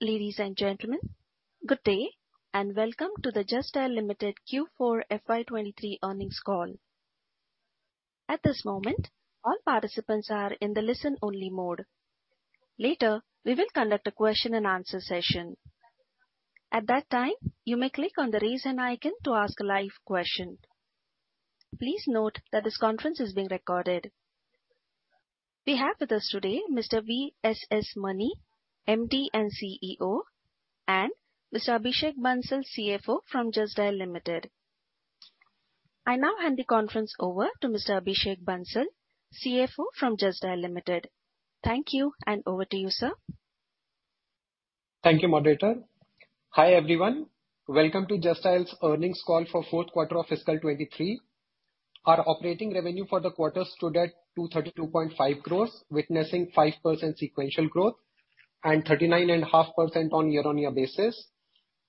Ladies and gentlemen, good day, and welcome to the Just Dial Limited Q4 FY 2023 Earnings Call. At this moment, all participants are in the listen-only mode. Later, we will conduct a question-and-answer session. At that time, you may click on the Raise Hand icon to ask a live question. Please note that this conference is being recorded. We have with us today Mr. VSS Mani, MD and CEO, and Mr. Abhishek Bansal, CFO from Just Dial Limited. I now hand the conference over to Mr. Abhishek Bansal, CFO from Just Dial Limited. Thank you, and over to you, sir. Thank you, moderator. Hi, everyone. Welcome to Just Dial's Earnings Call for Fourth Quarter of Fiscal 2023. Our operating revenue for the quarter stood at 232.5 crore, witnessing 5% sequential growth and 39.5% on a year-on-year basis.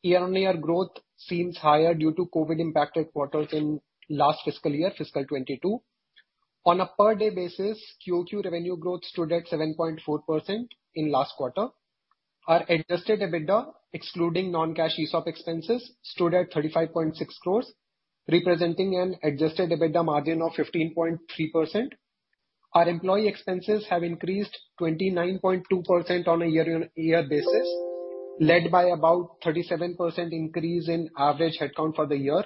Year-on-year growth seems higher due to COVID-impacted quarters in last fiscal year, fiscal 2022. On a per-day basis, QoQ revenue growth stood at 7.4% in last quarter. Our Adjusted EBITDA, excluding non-cash ESOP expenses, stood at 35.6 crore, representing an Adjusted EBITDA margin of 15.3%. Our employee expenses have increased 29.2% on a year-on-year basis, led by about 37% increase in average headcount for the year.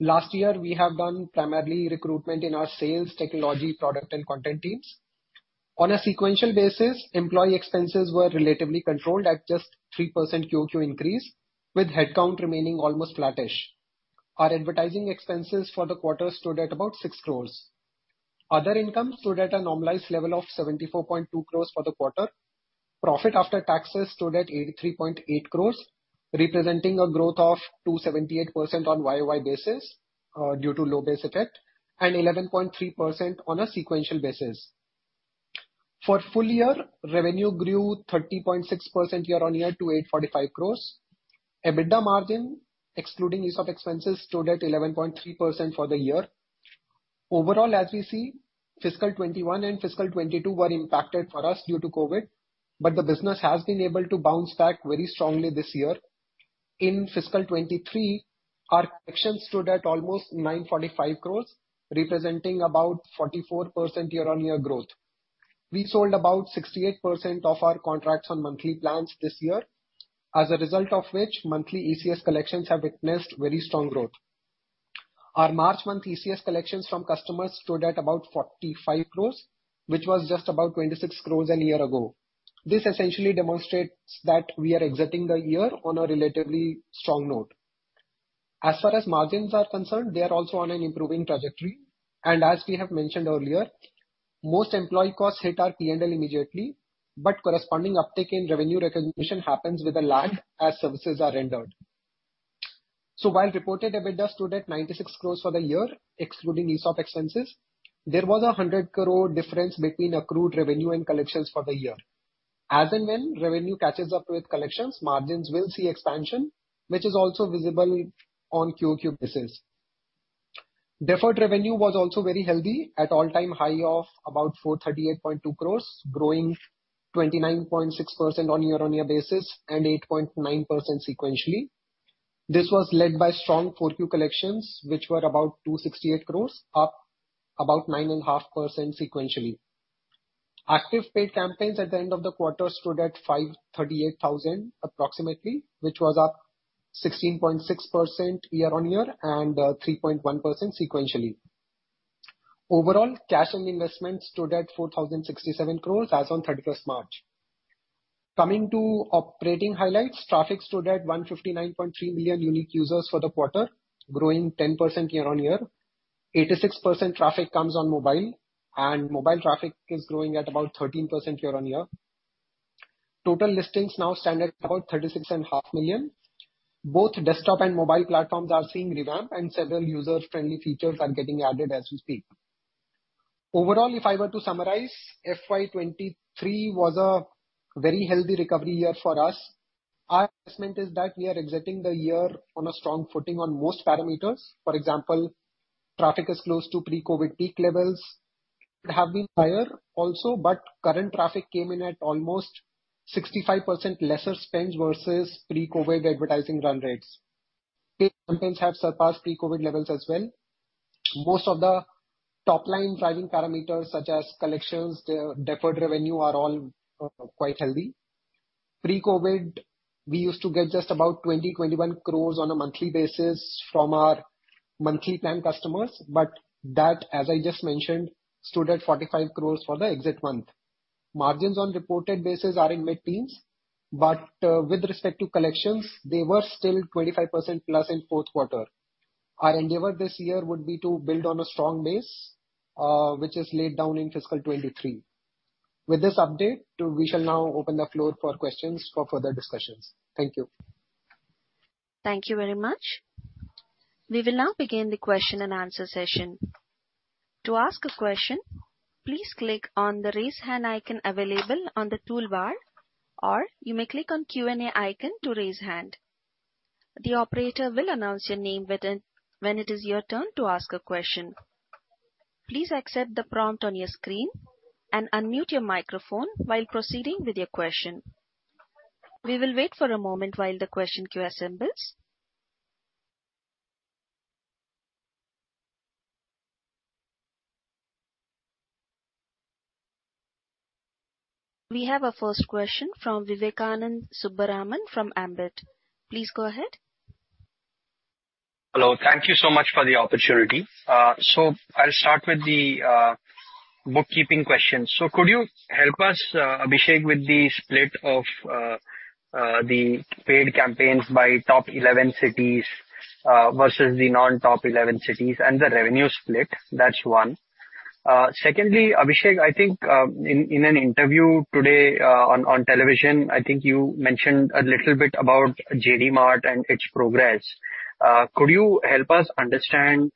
Last year, we have done primarily recruitment in our sales, technology, product, and content teams. On a sequential basis, employee expenses were relatively controlled at just 3% QoQ increase, with headcount remaining almost flattish. Our advertising expenses for the quarter stood at about 6 crore. Other income stood at a normalized level of 74.2 crore for the quarter. Profit After Taxes stood at 83.8 crore, representing a growth of 278% on a YOY basis, due to low base effect, and 11.3% on a sequential basis. For full year, revenue grew 30.6% year-on-year to 845 crore. EBITDA margin, excluding ESOP expenses, stood at 11.3% for the year. Overall, as we see, fiscal 2021 and fiscal 2022 were impacted for us due to COVID, but the business has been able to bounce back very strongly this year. In fiscal 2023, our collections stood at almost 945 crore, representing about 44% year-on-year growth. We sold about 68% of our contracts on monthly plans this year. As a result of which, monthly ECS collections have witnessed very strong growth. Our March month ECS collections from customers stood at about 45 crore, which was just about 26 crore a year ago. This essentially demonstrates that we are exiting the year on a relatively strong note. As far as margins are concerned, they are also on an improving trajectory. As we have mentioned earlier, most employee costs hit our P&L immediately, but corresponding uptick in revenue recognition happens with a lag as services are rendered. While reported EBITDA stood at 96 crore for the year, excluding ESOP expenses, there was a 100 crore difference between accrued revenue and collections for the year. As and when revenue catches up with collections, margins will see expansion, which is also visible on QoQ basis. Deferred revenue was also very healthy at all-time high of about 438.2 crore, growing 29.6% on a year-on-year basis and 8.9% sequentially. This was led by strong 4Q collections, which were about 268 crore, up about 9.5% sequentially. Active paid campaigns at the end of the quarter stood at 538,000 approximately, which was up 16.6% year-on-year and 3.1% sequentially. Overall, cash and investments stood at 4,067 crore as on 31st March. Coming to operating highlights, traffic stood at 159.3 million unique users for the quarter, growing 10% year-on-year. 86% traffic comes on mobile, and mobile traffic is growing at about 13% year-on-year. Total listings now stand at about 36.5 million. Both desktop and mobile platforms are seeing revamp, and several user-friendly features are getting added as we speak. Overall, if I were to summarize, FY 2023 was a very healthy recovery year for us. Our assessment is that we are exiting the year on a strong footing on most parameters. For example, traffic is close to pre-COVID peak levels. Current traffic came in at almost 65% lesser spends versus pre-COVID advertising run rates. Paid campaigns have surpassed pre-COVID levels as well. Most of the top-line driving parameters, such as collections, the deferred revenue, are all quite healthy. Pre-COVID, we used to get just about 20 crore, 21 crore on a monthly basis from our monthly plan customers, but that, as I just mentioned, stood at 45 crore for the exit month. Margins on reported basis are in mid-teens, but, with respect to collections, they were still 25% plus in fourth quarter. Our endeavor this year would be to build on a strong base, which is laid down in fiscal 2023. With this update, we shall now open the floor for questions for further discussions. Thank you. Thank you very much. We will now begin the question-and-answer session. To ask a question, please click on the Raise Hand icon available on the toolbar, or you may click on Q&A icon to raise hand. The operator will announce your name when it is your turn to ask a question. Please accept the prompt on your screen and unmute your microphone while proceeding with your question. We will wait for a moment while the question queue assembles. We have our first question from Vivekanand Subbaraman from Ambit. Please go ahead. Hello. Thank you so much for the opportunity. I'll start with the bookkeeping question. Could you help us, Abhishek, with the split of the paid campaigns by top 11 cities versus the non-top 11 cities and the revenue split? That's one. Secondly, Abhishek, I think in an interview today on television, I think you mentioned a little bit about JD Mart and its progress. Could you help us understand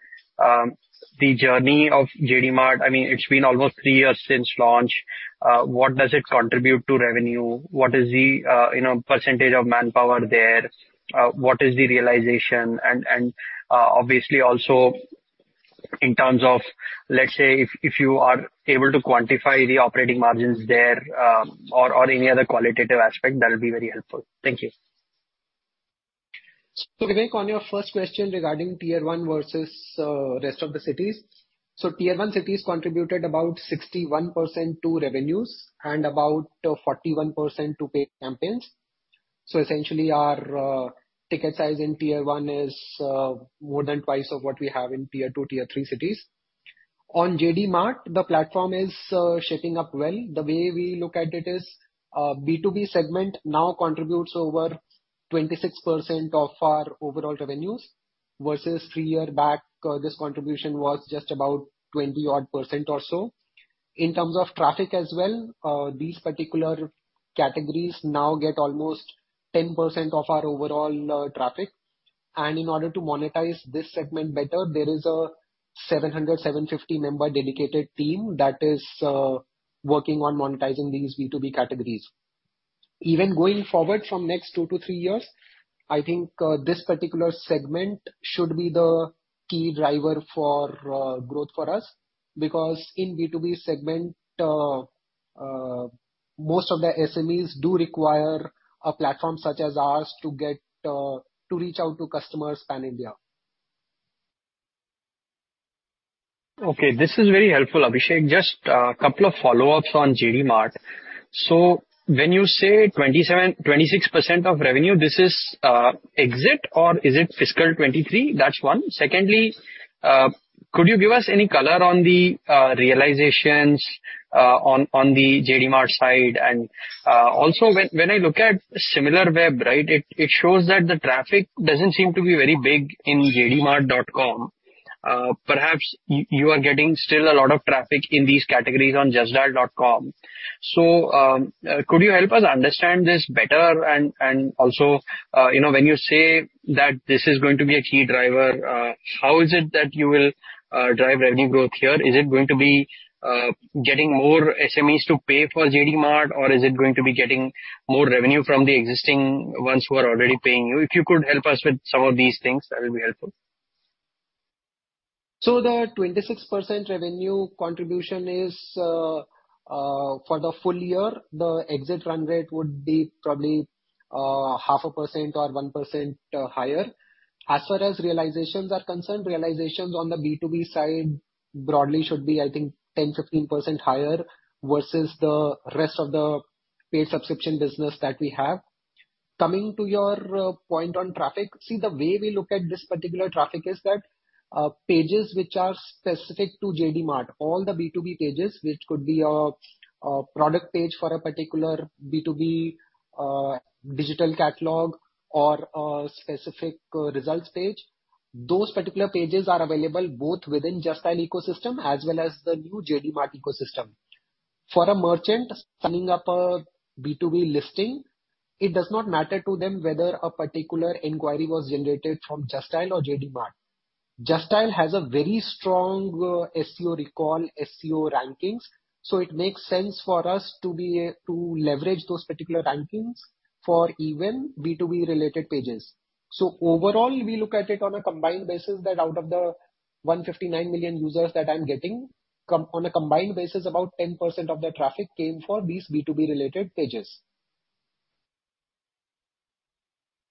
the journey of JD Mart? I mean, it's been almost three years since launch. What does it contribute to revenue? What is the, you know, percentage of manpower there? What is the realization? obviously also in terms of, let's say if you are able to quantify the operating margins there, or any other qualitative aspect, that'll be very helpful. Thank you. Vivek, on your first question regarding tier one versus rest of the cities. Tier one cities contributed about 61% to revenues and about 41% to paid campaigns. Essentially our ticket size in tier one is more than twice of what we have in tier two, tier three cities. On JD Mart, the platform is shaping up well. The way we look at it is B2B segment now contributes over 26% of our overall revenues, versus three year back, this contribution was just about 20 odd percent or so. In terms of traffic as well, these particular categories now get almost 10% of our overall traffic. In order to monetize this segment better, there is a 700-750 member dedicated team that is working on monetizing these B2B categories. Even going forward from next two to three years, I think, this particular segment should be the key driver for growth for us. In B2B segment, most of the SMEs do require a platform such as ours to get to reach out to customers pan-India. Okay, this is very helpful, Abhishek. Just a couple of follow-ups on JD Mart. When you say 26% of revenue, this is exit or is it fiscal 2023? That's one. Secondly, could you give us any color on the realizations on the JD Mart side? Also, when I look at Similarweb, right, it shows that the traffic doesn't seem to be very big in jdmart.com. Perhaps you are getting still a lot of traffic in these categories on justdial.com. Could you help us understand this better? Also, you know, when you say that this is going to be a key driver, how is it that you will drive revenue growth here? Is it going to be getting more SMEs to pay for JD Mart, or is it going to be getting more revenue from the existing ones who are already paying you? If you could help us with some of these things, that would be helpful. The 26% revenue contribution is for the full year. The exit run rate would be probably half a percent or 1% higher. As far as realizations are concerned, realizations on the B2B side broadly should be, I think, 10%, 15% higher versus the rest of the paid subscription business that we have. Coming to your point on traffic, the way we look at this particular traffic is that pages which are specific to JD Mart, all the B2B pages, which could be a product page for a particular B2B digital catalog or a specific results page. Those particular pages are available both within JustDial ecosystem as well as the new JD Mart ecosystem. For a merchant setting up a B2B listing, it does not matter to them whether a particular inquiry was generated from JustDial or JD Mart. Justdial has a very strong, SEO recall, SEO rankings, so it makes sense for us to be to leverage those particular rankings for even B2B related pages. Overall, we look at it on a combined basis that out of the 159 million users that I'm getting, on a combined basis, about 10% of the traffic came for these B2B related pages.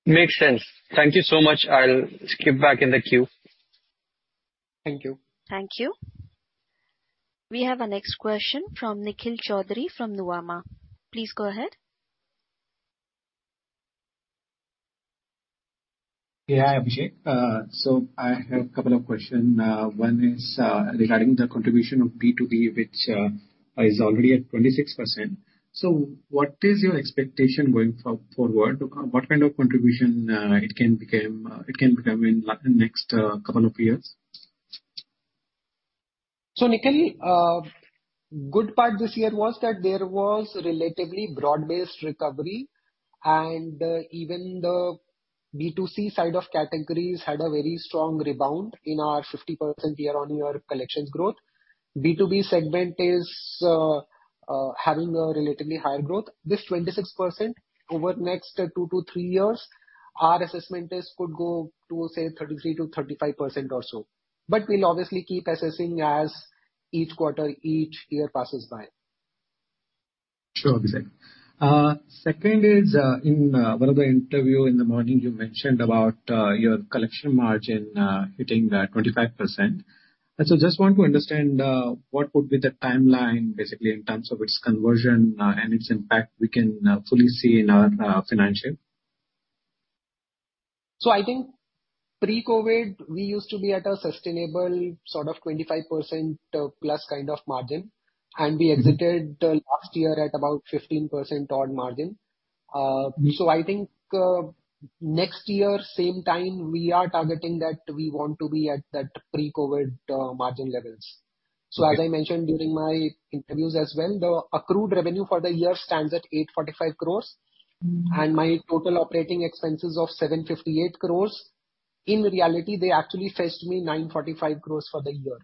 Makes sense. Thank you so much. I'll skip back in the queue. Thank you. Thank you. We have our next question from Nikhil Choudhary from Nuvama. Please go ahead. Yeah, Abhishek. I have a couple of question. One is regarding the contribution of B2B, which is already at 26%. What is your expectation going forward? What kind of contribution it can become in the next couple of years? Nikhil, good part this year was that there was relatively broad-based recovery, and even the B2C side of categories had a very strong rebound in our 50% year-on-year collections growth. B2B segment is having a relatively higher growth, this 26% over the next two to three years, our assessment is could go to, say, 33% to 35% or so. We'll obviously keep assessing as each quarter, each year passes by. Sure, Abhishek. second is, in, one of the interview in the morning you mentioned about, your collection margin, hitting, 25%. just want to understand, what would be the timeline basically in terms of its conversion, and its impact we can, fully see in our, financial? I think pre-COVID, we used to be at a sustainable sort of 25% plus kind of margin, and we exited last year at about 15% on margin. I think, next year, same time, we are targeting that we want to be at that pre-COVID, margin levels. Okay. As I mentioned during my interviews as well, the accrued revenue for the year stands at 845 crore. My total operating expenses of 758 crore. In reality, they actually fetched me 945 crore for the year.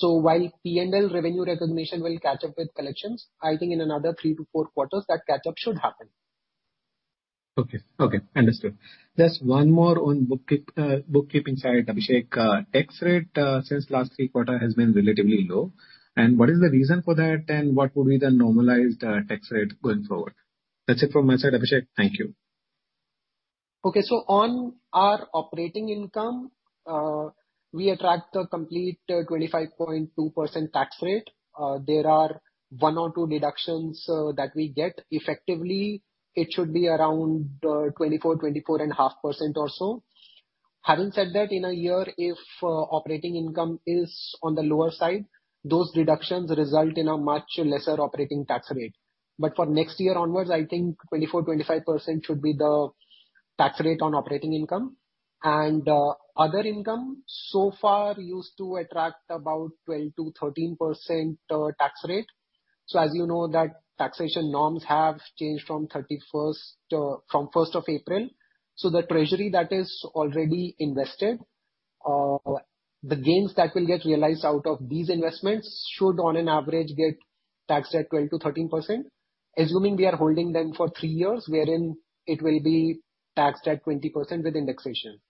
While P&L revenue recognition will catch up with collections, I think in another three to four quarters that catch up should happen. Okay. Okay. Understood. Just one more on bookkeeping side, Abhishek. Tax rate since last three quarter has been relatively low. What is the reason for that? What would be the normalized tax rate going forward? That's it from my side, Abhishek. Thank you. On our operating income, we attract a complete 25.2% tax rate. There are one or two deductions that we get. Effectively, it should be around 24 and a half percent or so. Having said that, in a year, if operating income is on the lower side, those deductions result in a much lesser operating tax rate. For next year onwards, I think 24% to 25% should be the tax rate on operating income. Other income so far used to attract about 12% to 13% tax rate. As you know that taxation norms have changed from 31st, from 1st of April, so the treasury that is already invested, the gains that will get realized out of these investments should, on an average, get taxed at 12% to 13%. Assuming we are holding them for three years, wherein it will be taxed at 20% with indexation.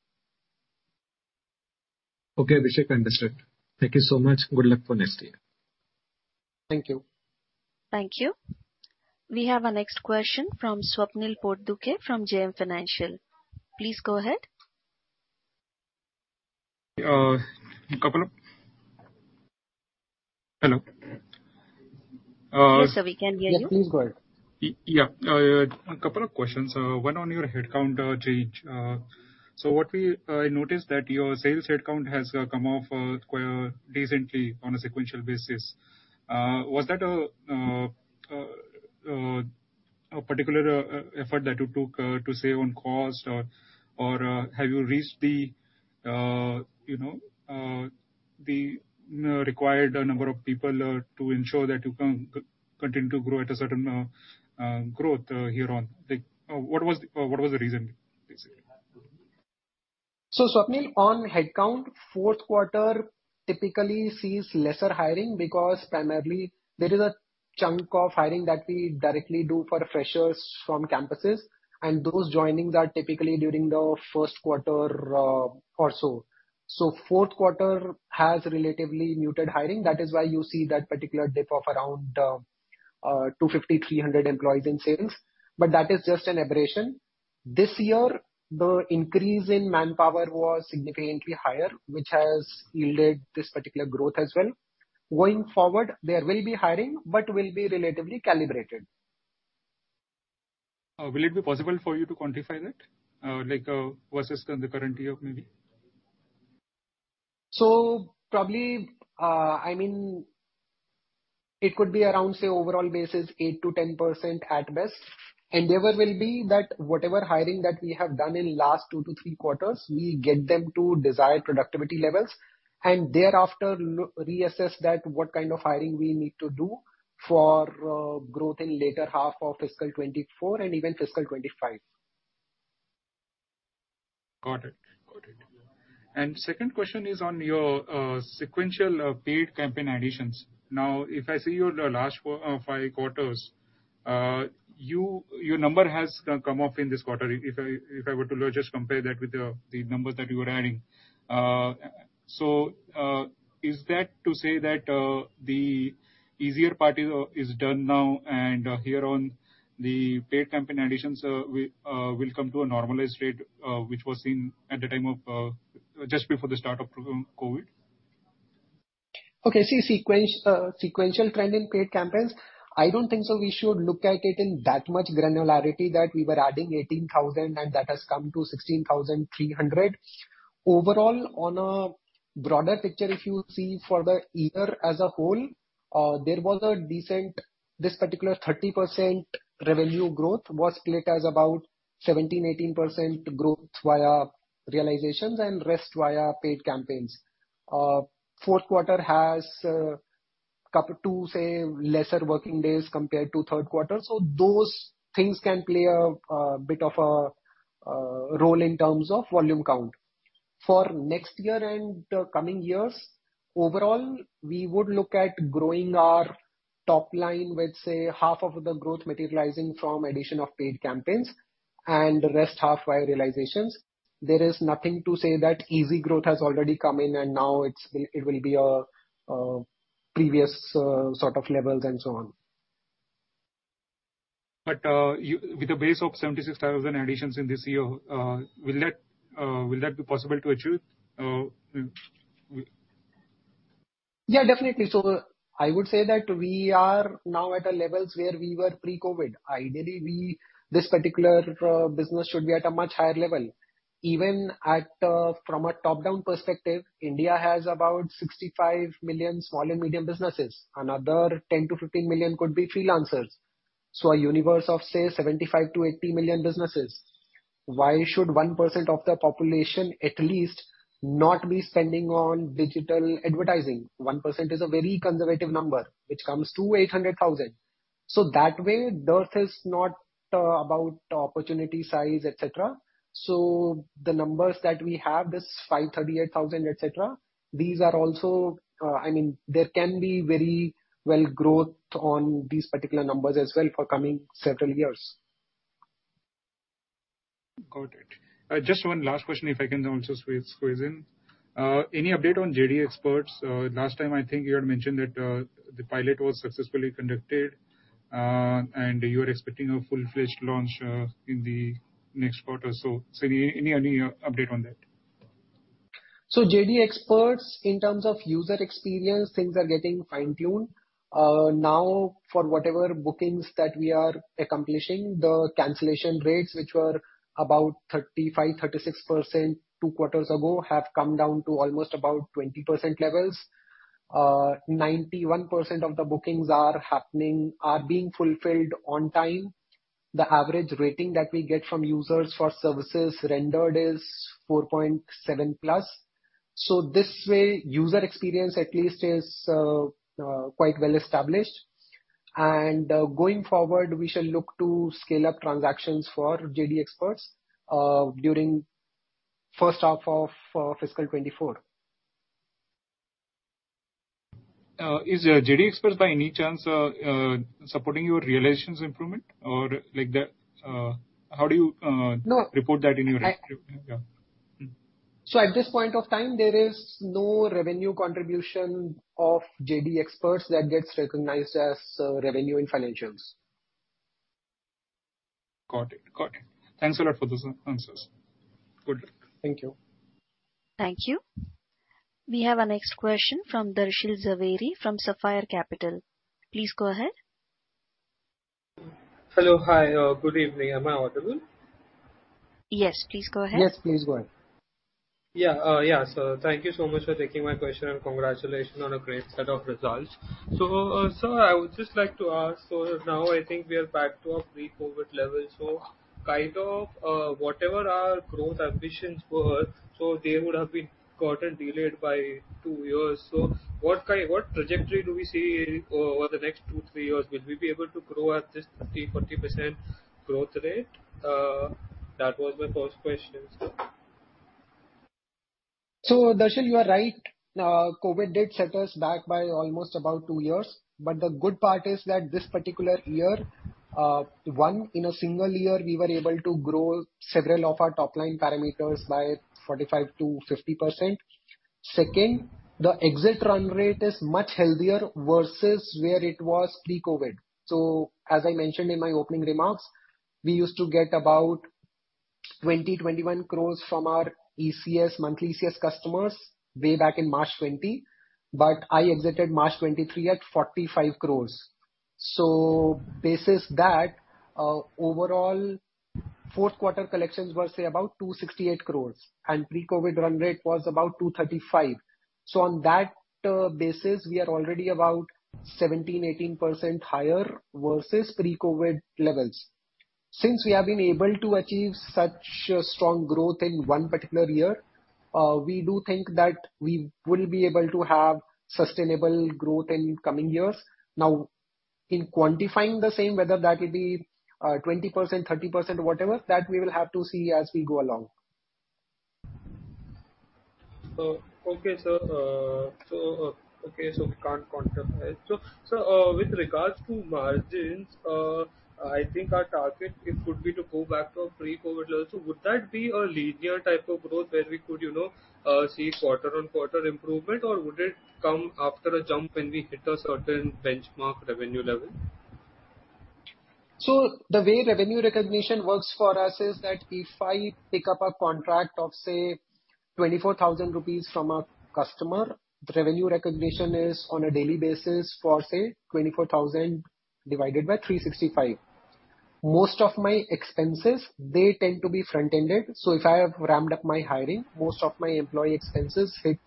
Okay, Abhishek. Understood. Thank you so much. Good luck for next year. Thank you. Thank you. We have our next question from Swapnil Potdukhe from JM Financial. Please go ahead. Hello? Yes, sir. We can hear you. Yeah. Please go ahead. Yeah. A couple of questions. One on your headcount change. What we noticed that your sales headcount has come off quite decently on a sequential basis. Was that a particular effort that you took to save on cost or have you reached the, you know, the required number of people to ensure that you can continue to grow at a certain growth here on? What was the reason basically? Swapnil, on headcount, fourth quarter typically sees lesser hiring because primarily there is a chunk of hiring that we directly do for freshers from campuses, and those joinings are typically during the first quarter or so. Fourth quarter has relatively muted hiring. That is why you see that particular dip of around 250-300 employees in sales. That is just an aberration. This year, the increase in manpower was significantly higher, which has yielded this particular growth as well. Going forward, there will be hiring, but will be relatively calibrated. Will it be possible for you to quantify that, like, versus the current year maybe? Probably, I mean, it could be around, say, overall basis, 8% to 10% at best. Endeavor will be that whatever hiring that we have done in last two to three quarters, we get them to desired productivity levels and thereafter re-assess that what kind of hiring we need to do for growth in later half of fiscal 2024 and even fiscal 2025. Got it. Got it. Second question is on your sequential paid campaign additions. If I see your last five quarters, your number has come up in this quarter. If I were to just compare that with the numbers that you were adding. Is that to say that the easier part is done now and here on the paid campaign additions will come to a normalized rate which was in at the time of just before the start of COVID? Okay. See sequence, sequential trend in paid campaigns, I don't think so we should look at it in that much granularity that we were adding 18,000 and that has come to 16,300. Overall, on a broader picture, if you see for the year as a whole, this particular 30% revenue growth was split as about 17%, 18% growth via realizations and rest via paid campaigns. Fourth quarter has couple two, say, lesser working days compared to third quarter. Those things can play a bit of a role in terms of volume count. For next year and coming years, overall, we would look at growing our top line with, say, half of the growth materializing from addition of paid campaigns and the rest half via realizations. There is nothing to say that easy growth has already come in and now it's, it will be a previous sort of levels and so on. With the base of 76,000 additions in this year, will that be possible to achieve? Definitely. I would say that we are now at the levels where we were pre-COVID. Ideally, we this particular business should be at a much higher level. Even at from a top-down perspective, India has about 65 million small and medium businesses. Another 10-15 million could be freelancers. A universe of, say, 75-80 million businesses. Why should 1% of the population at least not be spending on digital advertising? 1% is a very conservative number, which comes to 800,000. That way, dearth is not about opportunity size, et cetera. The numbers that we have, this 538,000, et cetera, these are also, I mean, there can be very well growth on these particular numbers as well for coming several years. Got it. Just one last question, if I can also squeeze in. Any update on JD Xperts? Last time, I think you had mentioned that, the pilot was successfully conducted, and you were expecting a full-fledged launch, in the next quarter. Any update on that? JD Xperts, in terms of user experience, things are getting fine-tuned. now, for whatever bookings that we are accomplishing, the cancellation rates, which were about 35% to 36% two quarters ago, have come down to almost about 20% levels. 91% of the bookings are happening, are being fulfilled on time. The average rating that we get from users for services rendered is 4.7+. This way, user experience at least is quite well established. Going forward, we shall look to scale up transactions for JD Xperts during first half of fiscal 2024. Is JD Xperts by any chance supporting your realizations improvement? No. Report that in your— I— Yeah. At this point of time, there is no revenue contribution of JD Xperts that gets recognized as revenue in financials. Got it. Got it. Thanks a lot for those answers. Good. Thank you. Thank you. We have our next question from Darshil Jhaveri from Sapphire Capital. Please go ahead. Hello. Hi. Good evening. Am I audible? Yes, please go ahead. Yes, please go ahead. Yeah, thank you so much for taking my question, and congratulations on a great set of results. Sir, I would just like to ask, now I think we are back to our pre-COVID levels. Kind of, whatever our growth ambitions were, they would have been caught and delayed by two years. What trajectory do we see over the next two, three years? Will we be able to grow at this 30% to 40% growth rate? That was my first question, sir. Darshil, you are right. COVID did set us back by almost about two years. The good part is that this particular year, in a single year, we were able to grow several of our top-line parameters by 45% to 50%. Second, the exit run rate is much healthier versus where it was pre-COVID. As I mentioned in my opening remarks, we used to get about 20 crore to 21 crore from our ECS, monthly ECS customers way back in March 2020. I exited March 2023 at 45 crore. Basis that, overall fourth quarter collections were, say, about 268 crore, and pre-COVID run rate was about 235 crore. On that basis, we are already about 17% to 18% higher versus pre-COVID levels. Since we have been able to achieve such a strong growth in one particular year, we do think that we will be able to have sustainable growth in coming years. In quantifying the same, whether that will be, 20%, 30%, whatever, that we will have to see as we go along. Okay, sir. Okay, so we can't quantify it. With regards to margins, I think our target it could be to go back to our pre-COVID levels. Would that be a linear type of growth where we could, you know, see quarter-on-quarter improvement, or would it come after a jump when we hit a certain benchmark revenue level? The way revenue recognition works for us is that if I pick up a contract of, say, 24,000 rupees from a customer, revenue recognition is on a daily basis for, say, 24,000 divided by 365. Most of my expenses, they tend to be front-ended, so if I have ramped up my hiring, most of my employee expenses hit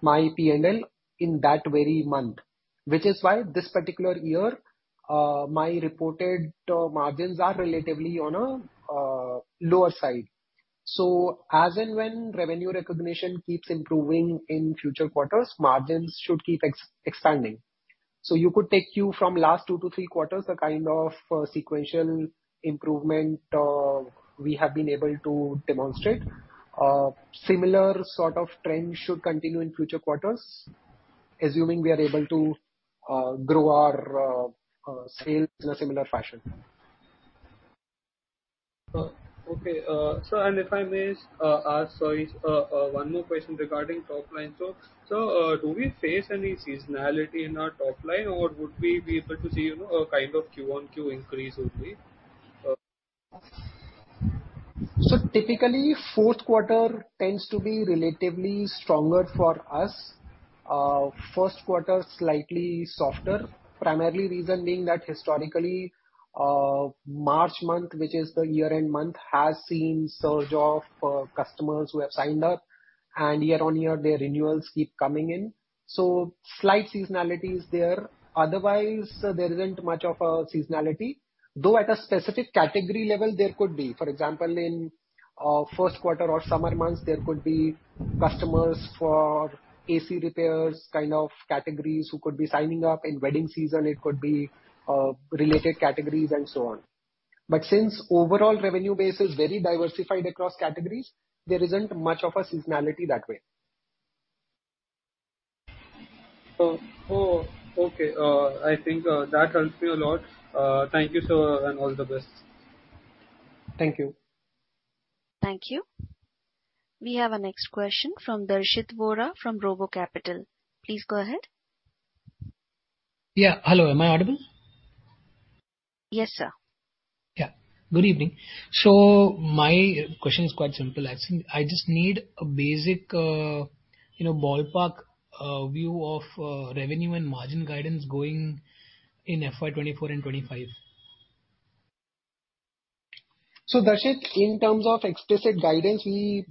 my P&L in that very month, which is why this particular year, my reported margins are relatively on a lower side. As and when revenue recognition keeps improving in future quarters, margins should keep expanding. You could take you from last two to three quarters, the kind of sequential improvement we have been able to demonstrate. Similar sort of trend should continue in future quarters, assuming we are able to grow our sales in a similar fashion. Okay. Sir, if I may ask, sorry, one more question regarding top line. Sir, do we face any seasonality in our top line, or would we be able to see, you know, a kind of QoQ increase only? Typically, fourth quarter tends to be relatively stronger for us. First quarter slightly softer. Primarily reason being that historically, March month, which is the year-end month, has seen surge of customers who have signed up, and year-on-year their renewals keep coming in. Slight seasonality is there. Otherwise, there isn't much of a seasonality. Though at a specific category level there could be. For example, in first quarter or summer months, there could be customers for AC repairs kind of categories who could be signing up. In wedding season it could be related categories and so on. Since overall revenue base is very diversified across categories, there isn't much of a seasonality that way. Okay. I think that helps me a lot. Thank you, sir, and all the best. Thank you. Thank you. We have our next question from Darshit Vora from RoboCapital. Please go ahead. Yeah. Hello, am I audible? Yes, sir. Yeah. Good evening. My question is quite simple. I think I just need a basic, you know, ballpark, view of, revenue and margin guidance going in FY 2024 and 2025. Darshit, in terms of explicit guidance, we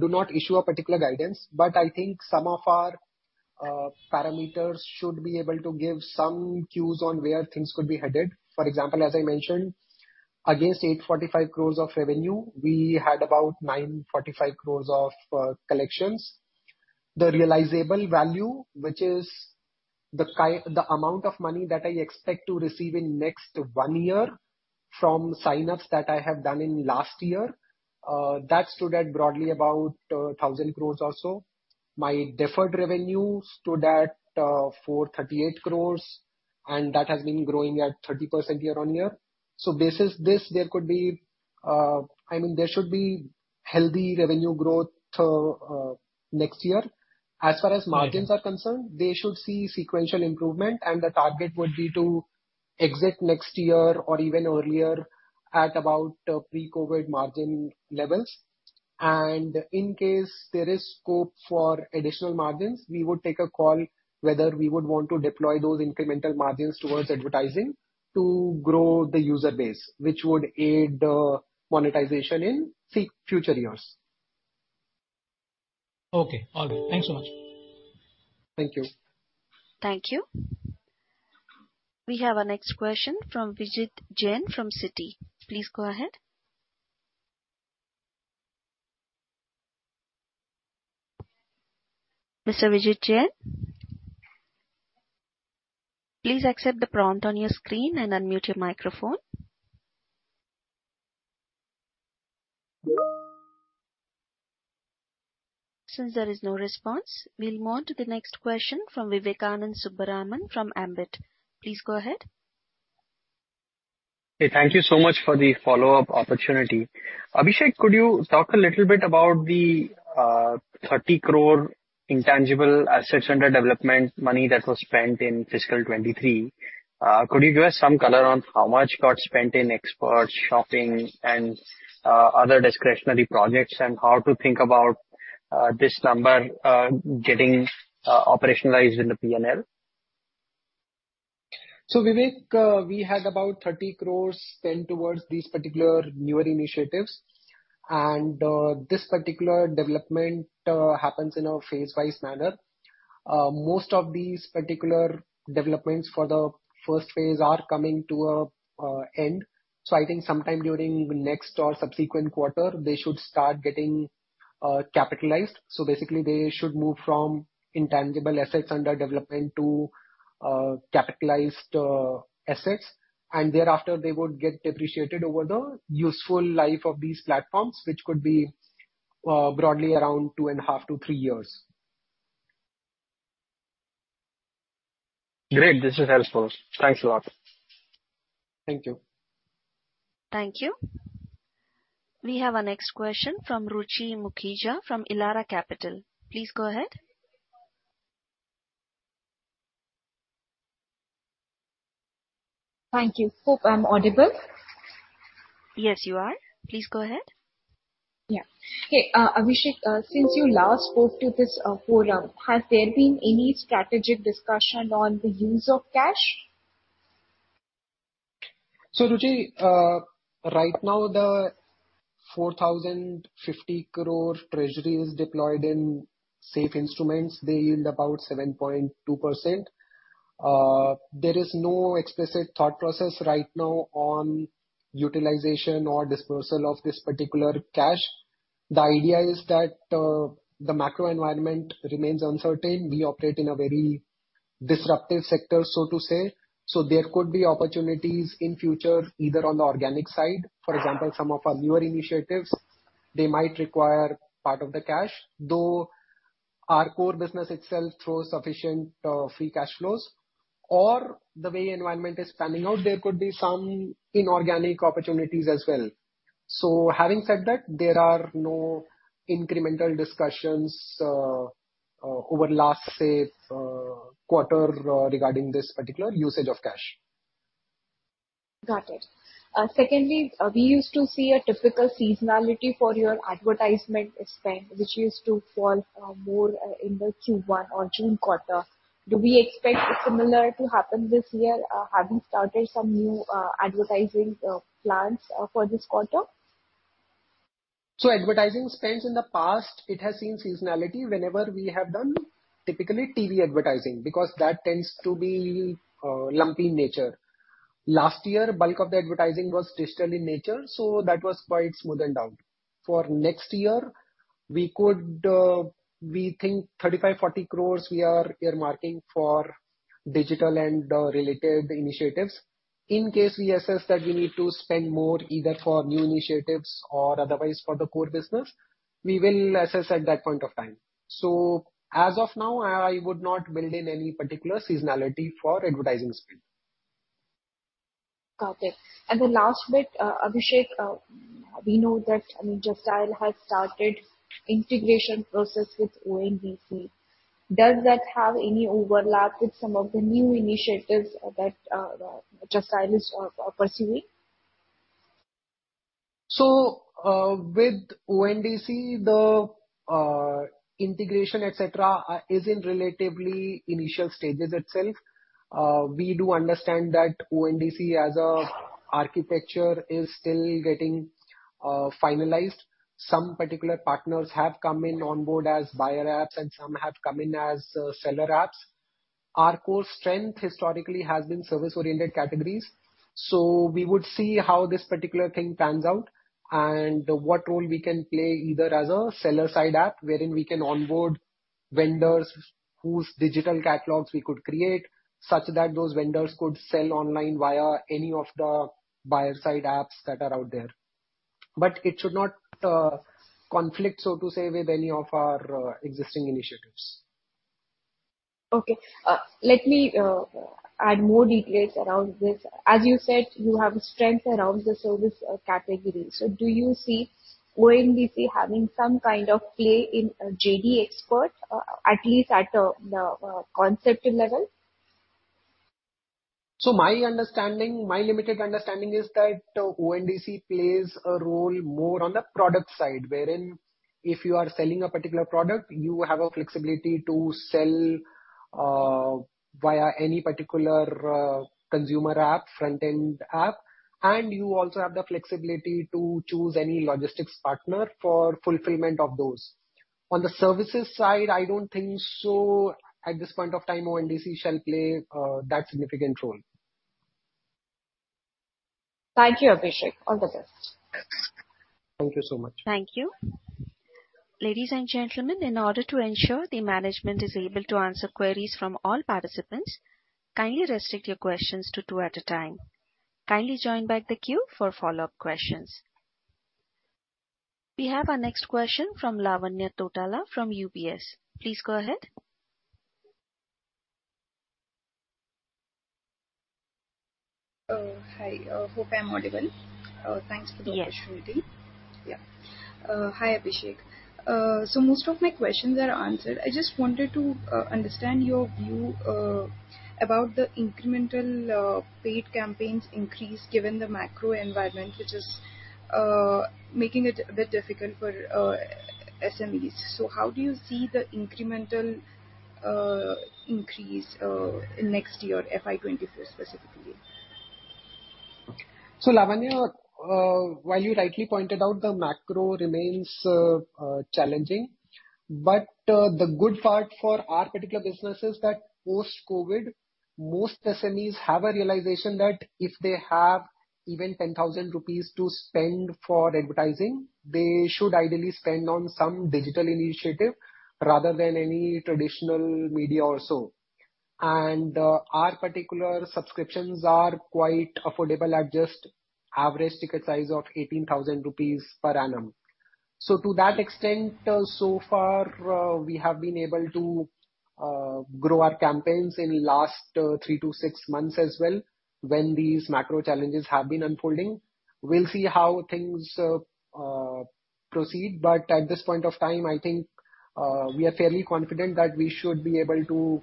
do not issue a particular guidance. I think some of our parameters should be able to give some cues on where things could be headed. For example, as I mentioned, against 845 crore of revenue, we had about 945 crore of collections. The realizable value, which is the amount of money that I expect to receive in next one year from sign-ups that I have done in last year, that stood at broadly about 1,000 crore also. My deferred revenue stood at 438 crore, and that has been growing at 30% year-on-year. Basis this there could be, I mean, there should be healthy revenue growth next year. As far as margins are concerned, they should see sequential improvement and the target would be to exit next year or even earlier at about pre-COVID margin levels. In case there is scope for additional margins, we would take a call whether we would want to deploy those incremental margins towards advertising to grow the user base, which would aid monetization in future years. Okay. All right. Thanks so much. Thank you. Thank you. We have our next question from Vijit Jain from Citi. Please go ahead. Mr. Vijit Jain? Please accept the prompt on your screen and unmute your microphone. Since there is no response, we'll move on to the next question from Vivekanand Subbaraman from Ambit. Please go ahead. Hey, thank you so much for the follow-up opportunity. Abhishek, could you talk a little bit about the 30 crore intangible assets under development money that was spent in fiscal 2023? Could you give us some color on how much got spent in expert shopping and other discretionary projects, and how to think about this number getting operationalized in the P&L? Vivek, we had about 30 crore spent towards these particular newer initiatives. This particular development happens in a phase-wise manner. Most of these particular developments for the first phase are coming to a end. I think sometime during next or subsequent quarter they should start getting capitalized. Basically they should move from intangible assets under development to capitalized assets. Thereafter they would get depreciated over the useful life of these platforms, which could be broadly around two and a half to three years. Great. This is helpful. Thanks a lot. Thank you. Thank you. We have our next question from Ruchi Mukhija from Elara Capital. Please go ahead. Thank you. Hope I'm audible. Yes, you are. Please go ahead. Yeah. Hey, Abhishek, since you last spoke to this forum, has there been any strategic discussion on the use of cash? Ruchi, right now the 4,050 crore treasury is deployed in safe instruments. They yield about 7.2%. There is no explicit thought process right now on utilization or dispersal of this particular cash. The idea is that, the macro environment remains uncertain. We operate in a very disruptive sector, so to say, so there could be opportunities in future either on the organic side, for example, some of our newer initiatives, they might require part of the cash, though our core business itself throws sufficient, free cash flows. The way environment is panning out, there could be some inorganic opportunities as well. Having said that, there are no incremental discussions, over last, say, quarter regarding this particular usage of cash. Got it. Secondly, we used to see a typical seasonality for your advertisement spend, which used to fall, more in the Q1 or June quarter. Do we expect similar to happen this year? Have you started some new advertising plans for this quarter? Advertising spends in the past, it has seen seasonality whenever we have done typically TV advertising, because that tends to be lumpy in nature. Last year, bulk of the advertising was digital in nature, so that was quite smoothened out. For next year, we could, we think 35 crore to 40 crore we are earmarking for digital and related initiatives. In case we assess that we need to spend more either for new initiatives or otherwise for the core business, we will assess at that point of time. As of now, I would not build in any particular seasonality for advertising spend. Got it. The last bit, Abhishek, we know that, I mean, Justdial has started integration process with ONDC. Does that have any overlap with some of the new initiatives that Justdial is pursuing? With ONDC, the integration, et cetera, is in relatively initial stages itself. We do understand that ONDC as a architecture is still getting finalized. Some particular partners have come in on board as buyer apps, and some have come in as seller apps. Our core strength historically has been service-oriented categories, so we would see how this particular thing pans out and what role we can play, either as a seller-side app, wherein we can onboard vendors whose digital catalogs we could create such that those vendors could sell online via any of the buyer-side apps that are out there. It should not conflict, so to say, with any of our existing initiatives. Okay. let me add more details around this. As you said, you have strength around the service category. Do you see ONDC having some kind of play in JD Xperts, at least at the conceptual level? My understanding, my limited understanding is that ONDC plays a role more on the product side, wherein if you are selling a particular product, you have a flexibility to sell via any particular consumer app, front-end app, and you also have the flexibility to choose any logistics partner for fulfillment of those. On the services side, I don't think so at this point of time ONDC shall play that significant role. Thank you, Abhishek. All the best. Thank you so much. Thank you. Ladies and gentlemen, in order to ensure the management is able to answer queries from all participants, kindly restrict your questions to two at a time. Kindly join back the queue for follow-up questions. We have our next question from Lavanya Tottala from UBS. Please go ahead. Hi. Hope I'm audible. Thanks for the opportunity. Yes. Hi, Abhishek. Most of my questions are answered. I just wanted to understand your view about the incremental paid campaigns increase given the macro environment, which is making it a bit difficult for SMEs. How do you see the incremental increase in next year, FY 2025 specifically? Lavanya, while you rightly pointed out the macro remains challenging, the good part for our particular business is that post-COVID, most SMEs have a realization that if they have even 10,000 rupees to spend for advertising, they should ideally spend on some digital initiative rather than any traditional media or so. Our particular subscriptions are quite affordable at just average ticket size of 18,000 rupees per annum. To that extent, so far, we have been able to grow our campaigns in last three to six months as well when these macro challenges have been unfolding. We'll see how things proceed, at this point of time I think, we are fairly confident that we should be able to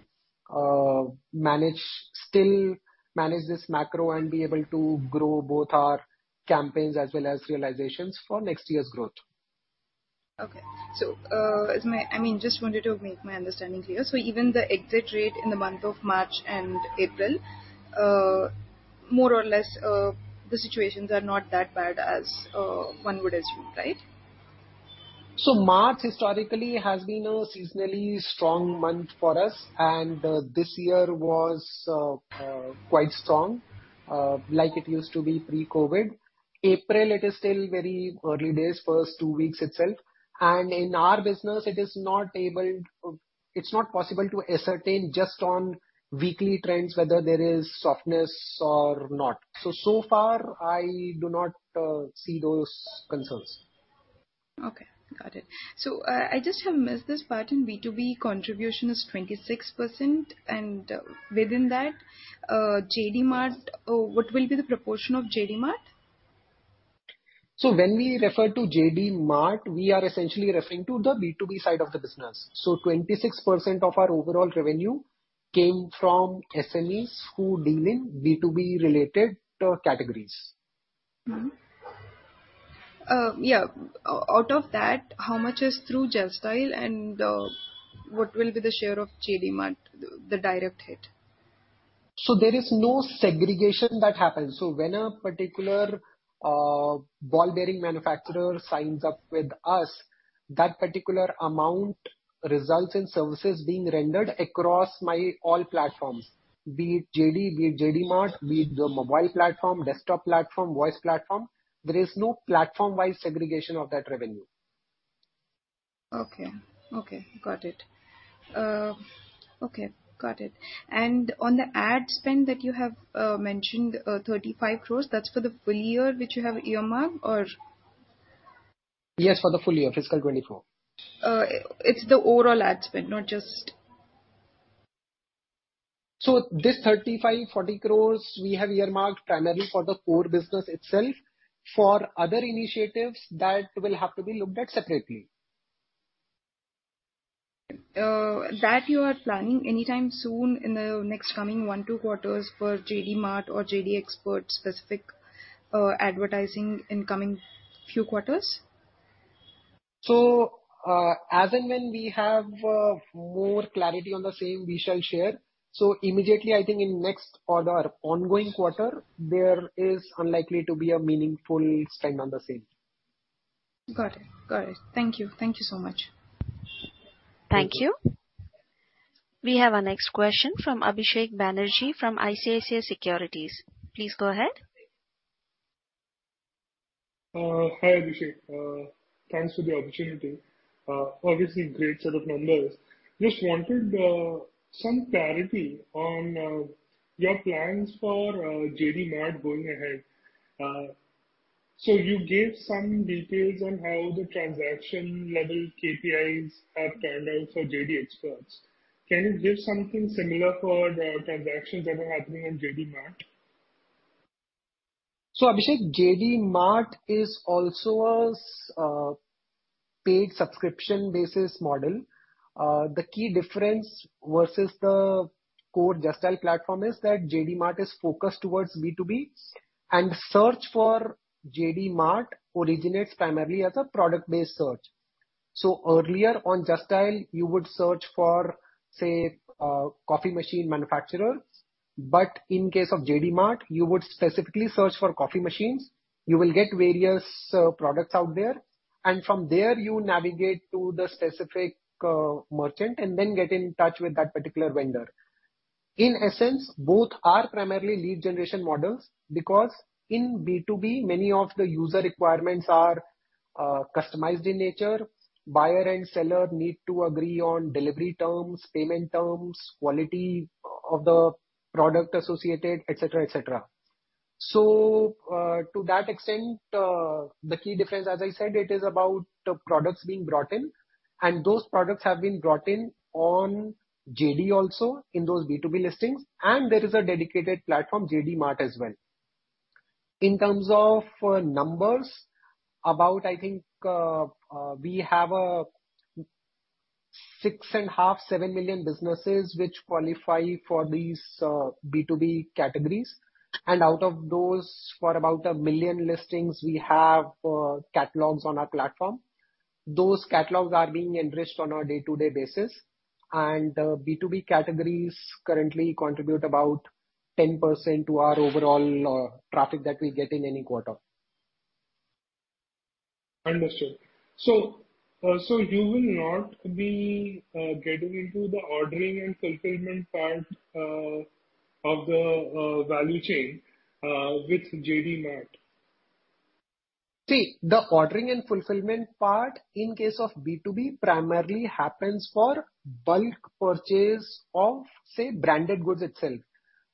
manage... still manage this macro and be able to grow both our campaigns as well as realizations for next year's growth. Okay. I mean, just wanted to make my understanding clear. Even the exit rate in the month of March and April, more or less, the situations are not that bad as one would assume, right? March historically has been a seasonally strong month for us, and this year was quite strong, like it used to be pre-COVID. April, it is still very early days, first two weeks itself, and in our business, it's not possible to ascertain just on weekly trends whether there is softness or not. So far, I do not see those concerns. I just have missed this part. In B2B contribution is 26% and within that, JD Mart, what will be the proportion of JD Mart? When we refer to JD Mart, we are essentially referring to the B2B side of the business. 26% of our overall revenue came from SMEs who deal in B2B related categories. Yeah. out of that, how much is through Justdial and, what will be the share of JD Mart, the direct hit? There is no segregation that happens. When a particular ball bearing manufacturer signs up with us, that particular amount results in services being rendered across my all platforms, be it JD, be it JD Mart, be it the mobile platform, desktop platform, voice platform. There is no platform-wise segregation of that revenue. Okay. Okay, got it. Okay, got it. On the ad spend that you have mentioned, 35 crore, that's for the full year which you have earmarked or— Yes, for the full year, fiscal 2024. It's the overall ad spend, not just— This 35, 40 crore we have earmarked primarily for the core business itself. For other initiatives, that will have to be looked at separately. That you are planning anytime soon in the next coming one, two quarters for JD Mart or JD Xperts specific advertising in coming few quarters? As and when we have, more clarity on the same, we shall share. Immediately, I think in next or the ongoing quarter, there is unlikely to be a meaningful spend on the same. Got it. Got it. Thank you. Thank you so much. Thank you. We have our next question from Abhishek Banerjee, from ICICI Securities. Please go ahead. Hi, Abhishek. Thanks for the opportunity. Obviously great set of numbers. Just wanted some clarity on your plans for JD Mart going ahead. You gave some details on how the transaction level KPIs are panned out for JD Xperts. Can you give something similar for the transactions that are happening on JD Mart? Abhishek, JD Mart is also a paid subscription basis model. The key difference versus the core Justdial platform is that JD Mart is focused towards B2B, and search for JD Mart originates primarily as a product-based search. Earlier on Justdial, you would search for, say, a coffee machine manufacturer, but in case of JD Mart, you would specifically search for coffee machines. You will get various products out there, and from there you navigate to the specific merchant and then get in touch with that particular vendor. In essence, both are primarily lead generation models because in B2B many of the user requirements are customized in nature. Buyer and seller need to agree on delivery terms, payment terms, quality of the product associated, et cetera, et cetera. To that extent, the key difference, as I said, it is about products being brought in, and those products have been brought in on JD also in those B2B listings, and there is a dedicated platform, JD Mart, as well. In terms of numbers, we have 6.5 million-7 million businesses which qualify for these B2B categories. Out of those, for about 1 million listings, we have catalogs on our platform. Those catalogs are being enriched on a day-to-day basis. B2B categories currently contribute about 10% to our overall traffic that we get in any quarter. Understood. So you will not be getting into the ordering and fulfillment part of the value chain with JD Mart? The ordering and fulfillment part in case of B2B primarily happens for bulk purchase of, say, branded goods itself.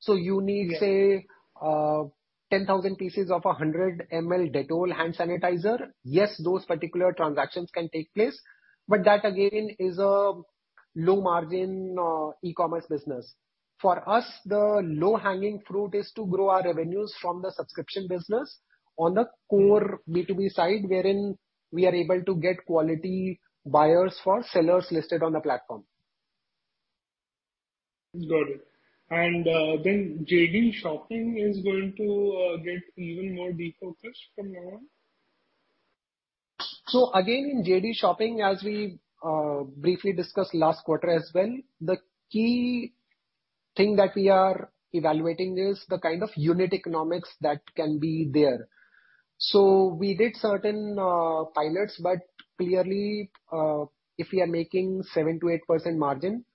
You need. Yeah. 10,000 pieces of a 100 ml Dettol hand sanitizer. Yes, those particular transactions can take place, but that again is a low margin, e-commerce business. For us, the low-hanging fruit is to grow our revenues from the subscription business on the core B2B side, wherein we are able to get quality buyers for sellers listed on the platform. Got it. Then JD Shopping is going to, get even more de-focused from now on? Again, in JD Shopping, as we briefly discussed last quarter as well, the key thing that we are evaluating is the kind of unit economics that can be there. We did certain pilots, but clearly, if we are making 7% to 8% margin.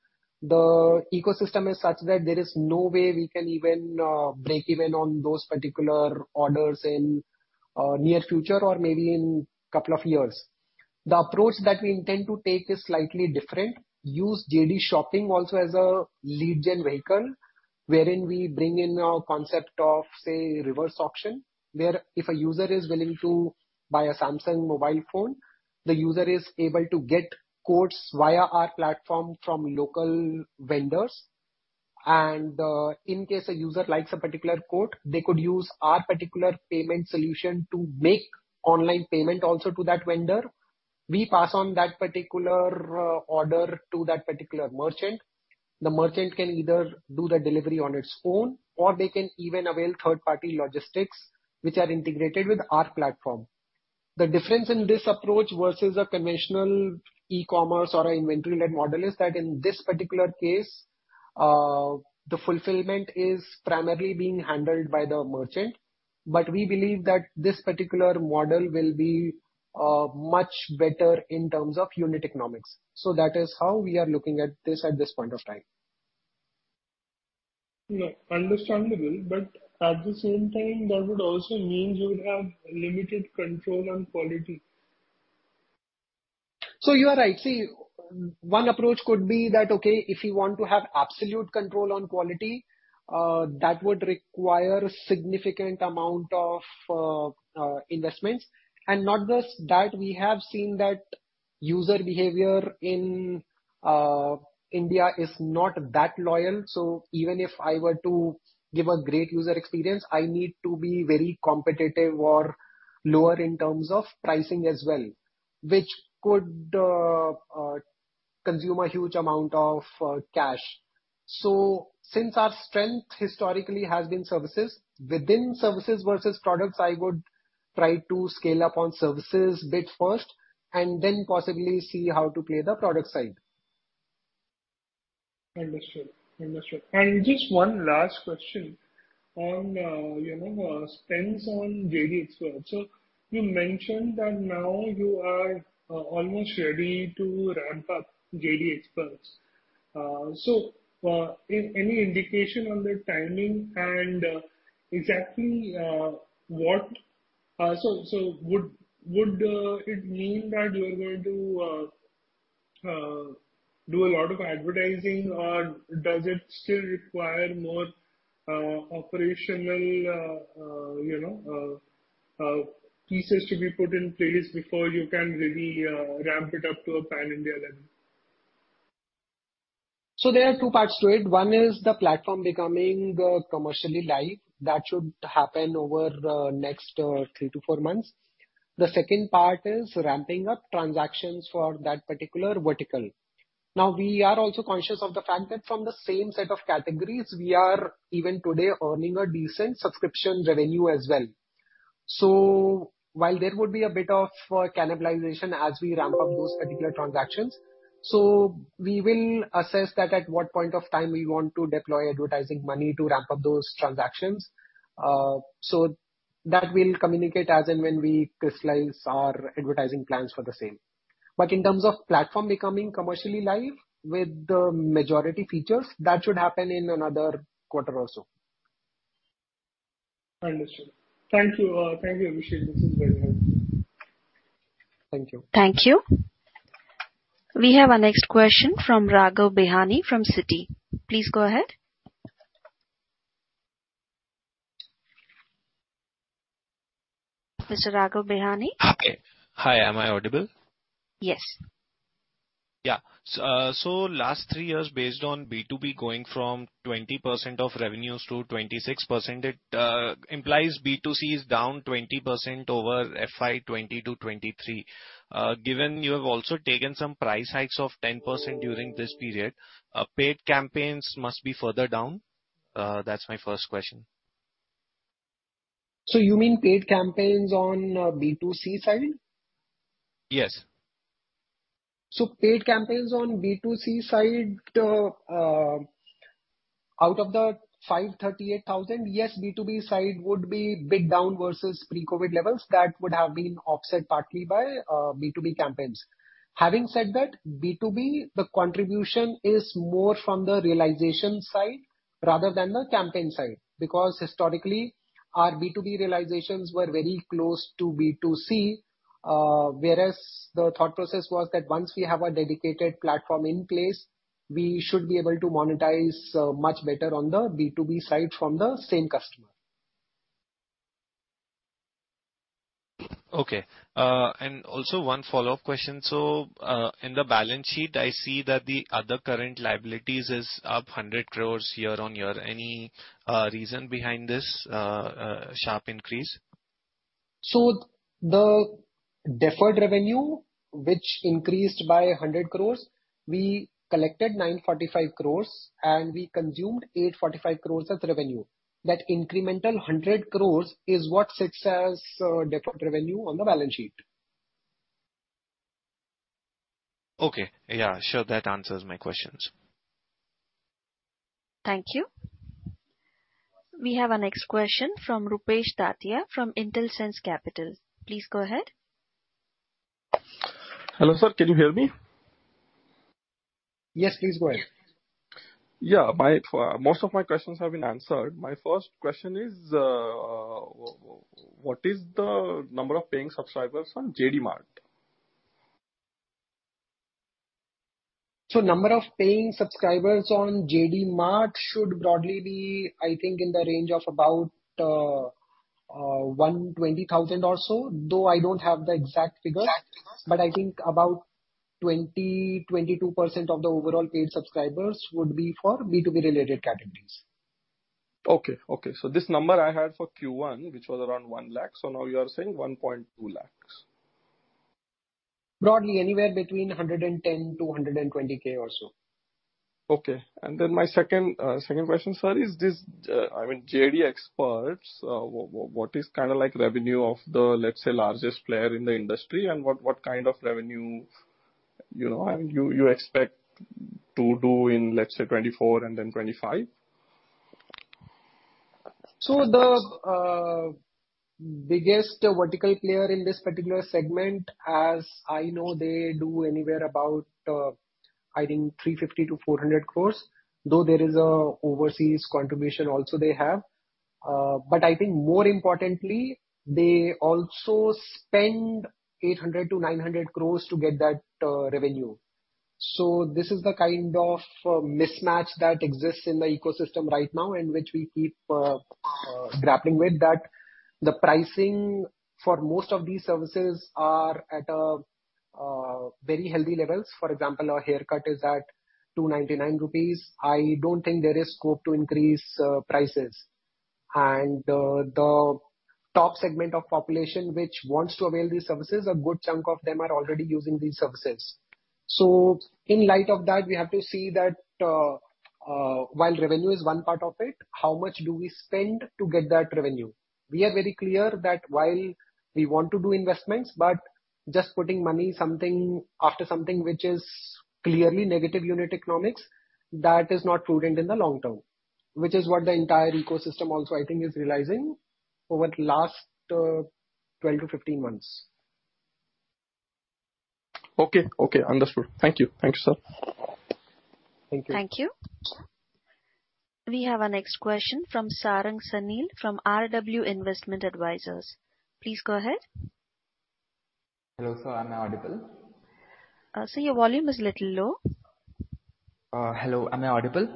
The ecosystem is such that there is no way we can even break even on those particular orders in near future or maybe in couple of years. The approach that we intend to take is slightly different, use JD Shopping also as a lead gen vehicle, wherein we bring in our concept of, say, reverse auction, where if a user is willing to buy a Samsung mobile phone, the user is able to get quotes via our platform from local vendors. In case a user likes a particular quote, they could use our particular payment solution to make online payment also to that vendor. We pass on that particular order to that particular merchant. The merchant can either do the delivery on its own or they can even avail third-party logistics which are integrated with our platform. The difference in this approach versus a conventional e-commerce or inventory-led model is that in this particular case, the fulfillment is primarily being handled by the merchant. We believe that this particular model will be much better in terms of unit economics. That is how we are looking at this at this point of time. Yeah. Understandable. At the same time, that would also mean you would have limited control on quality. You are right. See, one approach could be that, okay, if you want to have absolute control on quality, that would require significant amount of investments. Not just that, we have seen that user behavior in India is not that loyal. Even if I were to give a great user experience, I need to be very competitive or lower in terms of pricing as well, which could consume a huge amount of cash. Since our strength historically has been services, within services versus products, I would try to scale up on services bit first and then possibly see how to play the product side. Understood. Understood. Just one last question on, you know, spends on JD Xperts. You mentioned that now you are almost ready to ramp up JD Xperts. Any indication on the timing and exactly what. Would it mean that you are going to do a lot of advertising or does it still require more operational, you know, pieces to be put in place before you can really ramp it up to a pan-India level? There are two parts to it. One is the platform becoming commercially live. That should happen over the next three to four months. The second part is ramping up transactions for that particular vertical. Now, we are also conscious of the fact that from the same set of categories, we are even today earning a decent subscription revenue as well. While there would be a bit of cannibalization as we ramp up those particular transactions, so we will assess that at what point of time we want to deploy advertising money to ramp up those transactions. That we'll communicate as and when we crystallize our advertising plans for the same. In terms of platform becoming commercially live with the majority features, that should happen in another one quarter or so. Understood. Thank you, thank you, Abhishek. This is very helpful. Thank you. Thank you. We have our next question from Raghav Behani from Citi. Please go ahead. Mr. Raghav Behani? Okay. Hi. Am I audible? Yes. Yeah. last three years, based on B2B going from 20% of revenues to 26%, it implies B2C is down 20% over FY 2020 to 2023. Given you have also taken some price hikes of 10% during this period, paid campaigns must be further down. That's my first question. You mean paid campaigns on B2C side? Yes. Paid campaigns on B2C side, out of the 538,000, yes, B2B side would be big down versus pre-COVID levels. That would have been offset partly by B2B campaigns. Having said that, B2B, the contribution is more from the realization side rather than the campaign side, because historically, our B2B realizations were very close to B2C. Whereas the thought process was that once we have a dedicated platform in place, we should be able to monetize much better on the B2B side from the same customer. Okay. Also one follow-up question. In the balance sheet, I see that the other current liabilities is up 100 crore year-on-year. Any reason behind this sharp increase? The deferred revenue, which increased by 100 crore, we collected 945 crore and we consumed 845 crore as revenue. That incremental 100 crore is what sits as deferred revenue on the balance sheet. Okay. Yeah, sure. That answers my questions. Thank you. We have our next question from Rupesh Tatya from Intelsense Capital. Please go ahead. Hello, sir. Can you hear me? Yes, please go ahead. Yeah. My—most of my questions have been answered. My first question is, what is the number of paying subscribers on JD Mart? Number of paying subscribers on JD Mart should broadly be, I think, in the range of about 120,000 or so, though I don't have the exact figures. I think about 20% to 22% of the overall paid subscribers would be for B2B-related categories. Okay. Okay. This number I had for Q1, which was around 1 lakh, so now you are saying 1.2 lakhs. Broadly, anywhere between 110K to 120K or so. Okay. Then my second question, sir, is this. I mean, JD Xperts, what is kinda like revenue of the, let's say, largest player in the industry and what kind of revenue, you know, and you expect to do in, let's say, 2024 and then 2025? The biggest vertical player in this particular segment, as I know, they do anywhere about, I think 350 to 400 crore, though there is a overseas contribution also they have. I think more importantly, they also spend 800 to 900 crore to get that revenue. This is the kind of mismatch that exists in the ecosystem right now, and which we keep grappling with that the pricing for most of these services are at a very healthy levels. For example, a haircut is at 299 rupees. I don't think there is scope to increase prices. The top segment of population which wants to avail these services, a good chunk of them are already using these services. In light of that, we have to see that while revenue is one part of it, how much do we spend to get that revenue? We are very clear that while we want to do investments, but just putting money something after something which is clearly negative unit economics, that is not prudent in the long term, which is what the entire ecosystem also, I think, is realizing over the last 12-15 months. Okay. Okay. Understood. Thank you. Thank you, sir. Thank you. Thank you. We have our next question from Sarang Sanil from RW Investment Advisors. Please go ahead. Hello, sir. Am I audible? Sir, your volume is a little low. Hello, am I audible?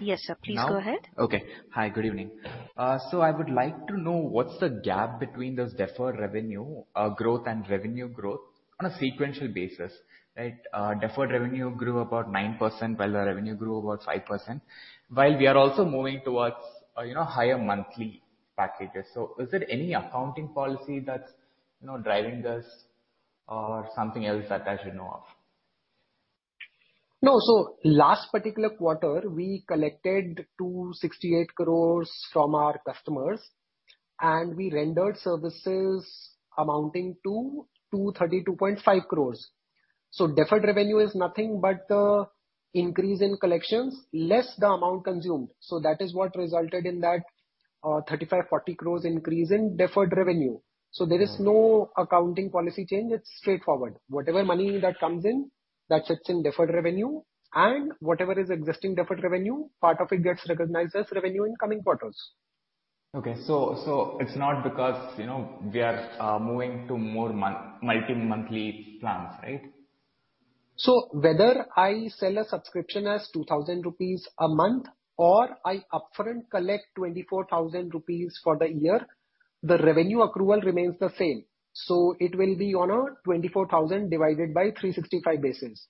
Yes, sir. Please go ahead. Now? Okay. Hi, good evening. I would like to know what's the gap between this deferred revenue growth and revenue growth on a sequential basis, right? Deferred revenue grew about 9%, while the revenue grew about 5%, while we are also moving towards, you know, higher monthly packages. Is there any accounting policy that's, you know, driving this or something else that I should know of? No. Last particular quarter, we collected 268 crore from our customers, and we rendered services amounting to 232.5 crore. Deferred revenue is nothing but increase in collections less the amount consumed. That is what resulted in that 35 to 40 crore increase in deferred revenue. There is no accounting policy change. It's straightforward. Whatever money that comes in, that sits in deferred revenue, and whatever is existing deferred revenue, part of it gets recognized as revenue in coming quarters. Okay. It's not because, you know, we are moving to more multi-monthly plans, right? Whether I sell a subscription as 2,000 rupees a month or I upfront collect 24,000 rupees for the year, the revenue accrual remains the same. It will be on a 24,000 divided by 365 basis.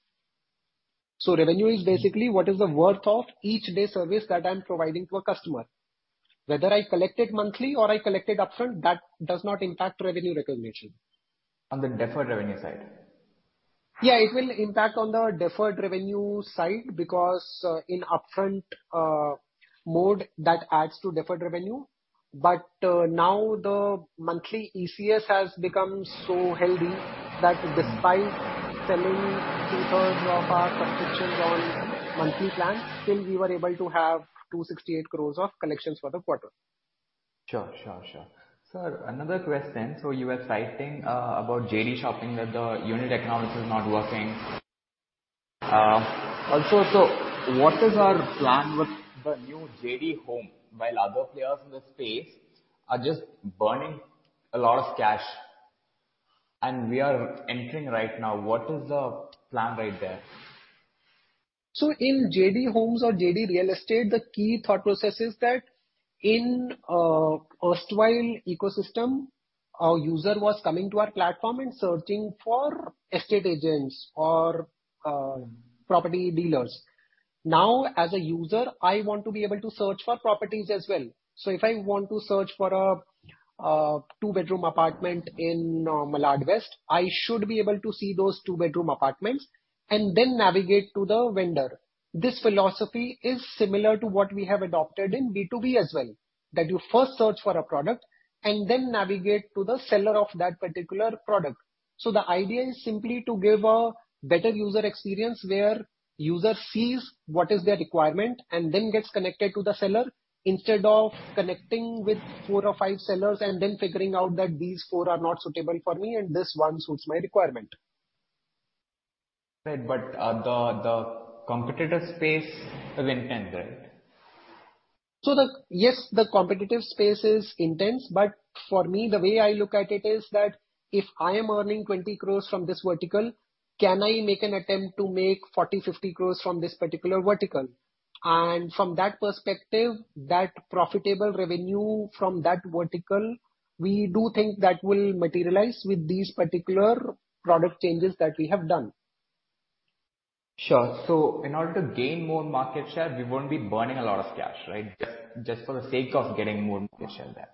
Revenue is basically what is the worth of each day service that I'm providing to a customer. Whether I collect it monthly or I collect it upfront, that does not impact revenue recognition. On the deferred revenue side. Yeah, it will impact on the deferred revenue side because, in upfront, mode, that adds to deferred revenue. Now the monthly ECS has become so healthy that despite selling two-thirds of our subscriptions on monthly plans, still we were able to have 268 crore of collections for the quarter. Sure. Sure, sure. Sir, another question. You were citing about JD Shopping that the unit economics is not working. Also, what is our plan with the new JD Home while other players in this space are just burning a lot of cash and we are entering right now? What is the plan right there? In JD Homes or JD Real Estate, the key thought process is that in erstwhile ecosystem, our user was coming to our platform and searching for estate agents or property dealers. Now, as a user, I want to be able to search for properties as well. If I want to search for a two-bedroom apartment in Malad West, I should be able to see those two-bedroom apartments and then navigate to the vendor. This philosophy is similar to what we have adopted in B2B as well, that you first search for a product and then navigate to the seller of that particular product. The idea is simply to give a better user experience where user sees what is their requirement and then gets connected to the seller instead of connecting with four or five sellers and then figuring out that these four are not suitable for me and this one suits my requirement. Right. The competitive space is intense, right? Yes, the competitive space is intense, but for me, the way I look at it is that if I am earning 20 crore from this vertical, can I make an attempt to make 40, 50 crore from this particular vertical? From that perspective, that profitable revenue from that vertical, we do think that will materialize with these particular product changes that we have done. Sure. In order to gain more market share, we won't be burning a lot of cash, right? Just for the sake of getting more market share there,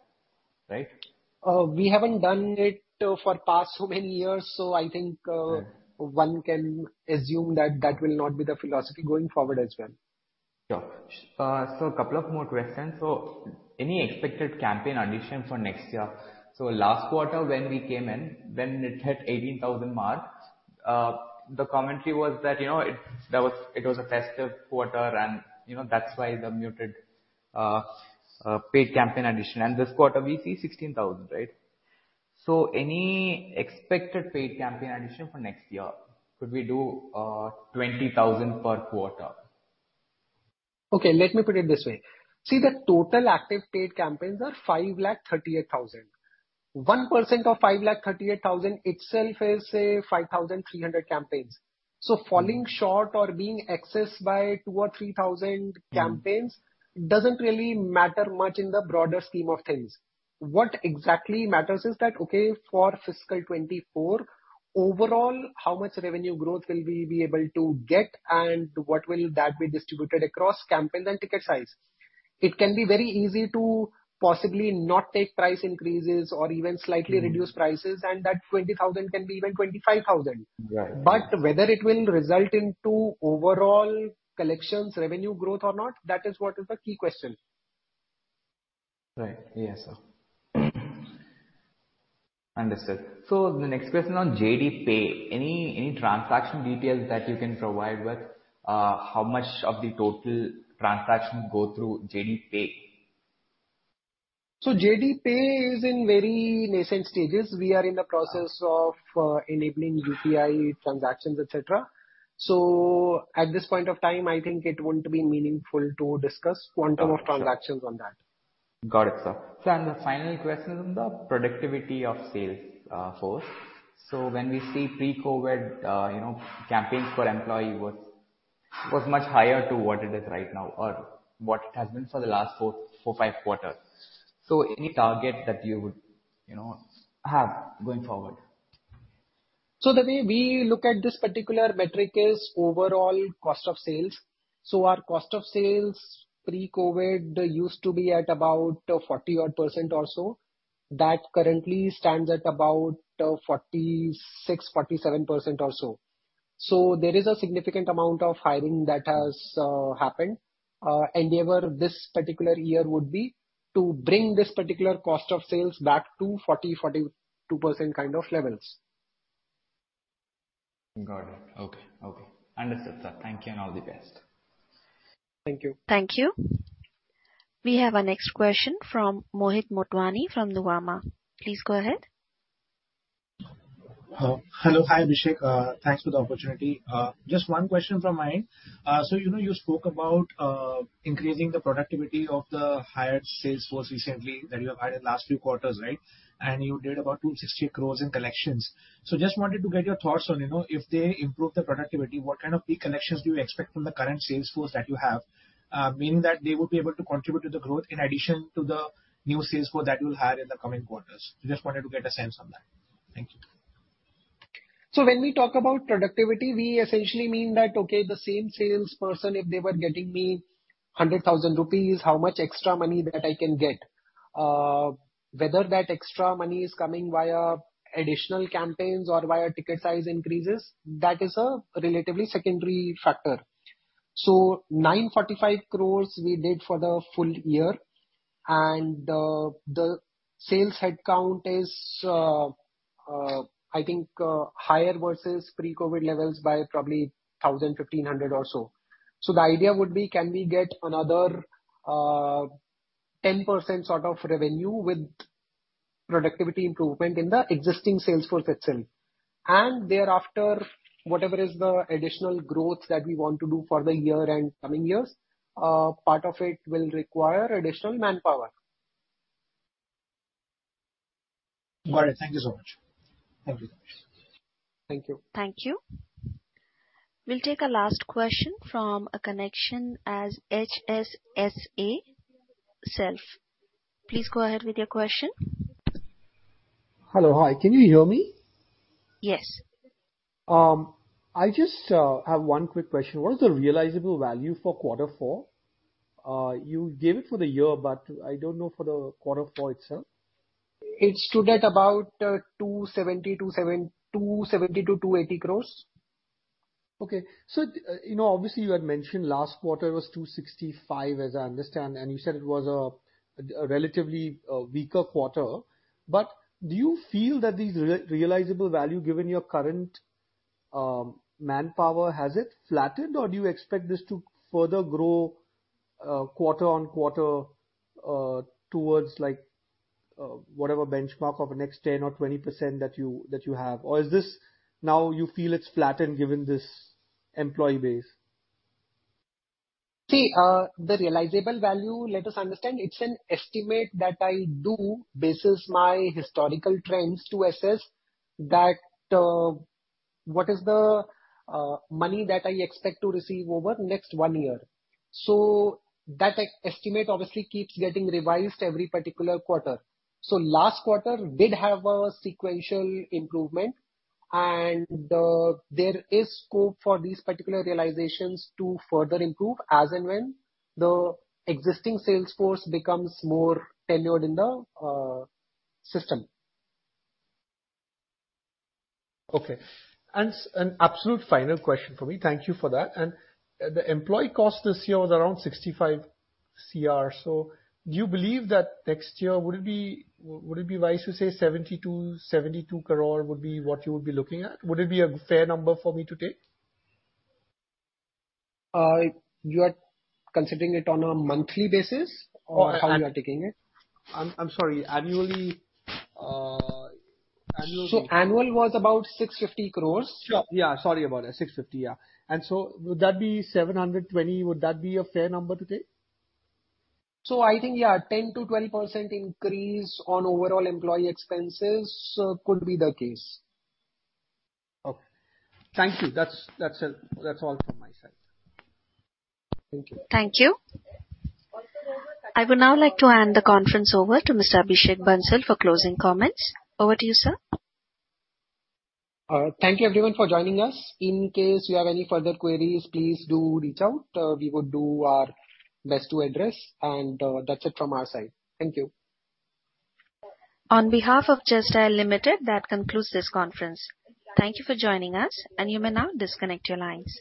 right? We haven't done it for past so many years, I think. Right. One can assume that that will not be the philosophy going forward as well. Sure. A couple of more questions. Any expected campaign addition for next year? Last quarter when we came in, when it hit 18,000 mark, the commentary was that, you know, it was a festive quarter and, you know, that's why the muted paid campaign addition. This quarter we see 16,000, right? Any expected paid campaign addition for next year? Could we do 20,000 per quarter? Okay, let me put it this way. See, the total active paid campaigns are 5,38,000. 1% of 5,38,000 itself is, say 5,300 campaigns. Falling short or being excess by 2,000 or 3,000 campaigns doesn't really matter much in the broader scheme of things. What exactly matters is that, okay, for fiscal 2024, overall how much revenue growth will we be able to get and what will that be distributed across campaigns and ticket size. It can be very easy to possibly not take price increases or even slightly reduce prices, and that 20,000 can be even 25,000. Right. Whether it will result into overall collections revenue growth or not, that is what is the key question. Right. Yes, sir. Understood. The next question on JD Pay. Any transaction details that you can provide with, how much of the total transactions go through JD Pay? JD Pay is in very nascent stages. We are in the process of enabling UPI transactions, et cetera. At this point of time, I think it wouldn't be meaningful to discuss quantum of transactions on that. Got it, sir. The final question is on the productivity of sales force. When we see pre-COVID, you know, campaigns per employee was much higher to what it is right now or what it has been for the last four, five quarters. Any target that you would, you know, have going forward? The way we look at this particular metric is overall cost of sales. Our cost of sales pre-COVID used to be at about 40 odd % or so. That currently stands at about 46% to 47% or so. There is a significant amount of hiring that has happened. Endeavor this particular year would be to bring this particular cost of sales back to 40% to 42% kind of levels. Got it. Okay. Okay. Understood, sir. Thank you and all the best. Thank you. Thank you. We have our next question from Mohit Motwani from Nuvama. Please go ahead. Hello. Hi, Abhishek. Thanks for the opportunity. Just one question from my end. You know, you spoke about increasing the productivity of the hired sales force recently that you have hired in last few quarters, right? And you did about 260 crore in collections. Just wanted to get your thoughts on, you know, if they improve the productivity, what kind of pre-collections do you expect from the current sales force that you have? Meaning that they would be able to contribute to the growth in addition to the new sales force that you'll hire in the coming quarters. Just wanted to get a sense on that. Thank you. When we talk about productivity, we essentially mean that, okay, the same sales person, if they were getting me 100 thousand rupees, how much extra money that I can get. Whether that extra money is coming via additional campaigns or via ticket size increases, that is a relatively secondary factor. 945 crore we did for the full year. The sales headcount is, I think, higher versus pre-COVID levels by probably 1,000, 1,500 or so. The idea would be can we get another 10% sort of revenue with productivity improvement in the existing sales force itself. Thereafter, whatever is the additional growth that we want to do for the year and coming years, part of it will require additional manpower. Got it. Thank you so much. Have a good day. Thank you. Thank you. We'll take a last question from a connection as HSSA Self. Please go ahead with your question. Hello. Hi. Can you hear me? Yes. I just have one quick question. What is the realizable value for quarter four? You gave it for the year, but I don't know for the quarter four itself. It should get about, 270 crore to 280 crore. Okay. You know, obviously you had mentioned last quarter was 265, as I understand, and you said it was a relatively weaker quarter. Do you feel that these realizable value, given your current manpower, has it flattened or do you expect this to further grow quarter-on-quarter towards like whatever benchmark of the next 10% or 20% that you, that you have? Or is this now you feel it's flattened given this employee base? The realizable value, let us understand, it's an estimate that I do bases my historical trends to assess that, what is the money that I expect to receive over next one year. That estimate obviously keeps getting revised every particular quarter. Last quarter did have a sequential improvement, and there is scope for these particular realizations to further improve as and when the existing sales force becomes more tenured in the system. Okay. An absolute final question for me. Thank you for that. The employee cost this year was around 65 crore. Do you believe that next year, would it be wise to say 72 crore would be what you would be looking at? Would it be a fair number for me to take? You are considering it on a monthly basis? Or how you are taking it? I'm sorry, annually. Annually. Annual was about 650 crore. Sure. Yeah, sorry about that. 650, yeah. Would that be 720? Would that be a fair number to take? I think, yeah, 10% to 12% increase on overall employee expenses could be the case. Okay. Thank you. That's all from my side. Thank you. Thank you. I would now like to hand the conference over to Mr. Abhishek Bansal for closing comments. Over to you, sir. Thank you everyone for joining us. In case you have any further queries, please do reach out. We will do our best to address and that's it from our side. Thank you. On behalf of Just Dial Limited, that concludes this conference. Thank you for joining us, and you may now disconnect your lines.